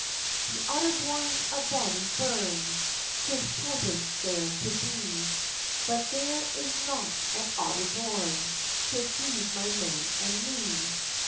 "The Otterbourne's a bonnie burn; 'Tis pleasant there to be; But there is nought at Otterbourne, To feed my men and me.